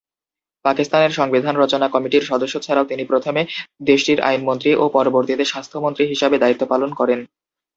পাকিস্তানের সংবিধান রচনা কমিটির সদস্য ছাড়াও তিনি প্রথমে দেশটির আইনমন্ত্রী ও পরবর্তীতে স্বাস্থ্যমন্ত্রী হিসাবে দায়িত্ব পালন করেন।